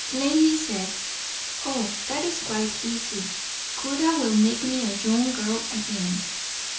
Laili said, "Oh, that is quite easy. Khuda will make me a young girl again.